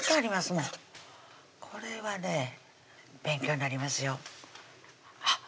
もんこれはね勉強になりますよあっ